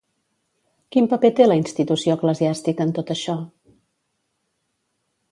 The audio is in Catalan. Quin paper té la institució eclesiàstica en tot això?